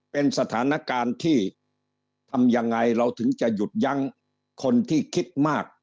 เป็นสถานการณ์ที่ทำยังไงเราถึงจะหยุดยั้งคนที่คิดมาก